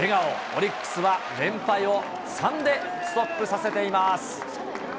オリックスは連敗を３でストップさせています。